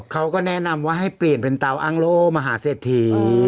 เขาก็แนะนำว่าให้เปลี่ยนเป็นเตาอ้างโล่มหาเศรษฐี